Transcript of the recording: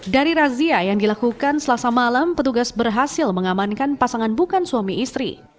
dari razia yang dilakukan selasa malam petugas berhasil mengamankan pasangan bukan suami istri